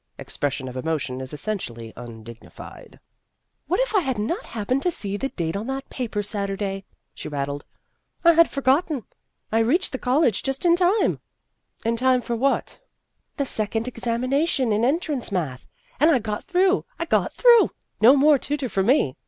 (Expression of emotion is essentially un dignified.) " What if I had not happened to see the date on that paper Saturday ?" she rattled. " I had forgotten. I reached the college just in time." 210 Vassar Studies "In time for what?" " The second examination in entrance math. And I got through ! I got through ! No more tutor for me